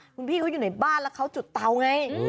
คุณพี่เขาอยู่ในบ้านแล้วเขาจุดเตาไง